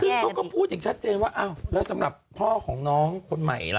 ซึ่งเขาก็พูดอย่างชัดเจนว่าอ้าวแล้วสำหรับพ่อของน้องคนใหม่ล่ะ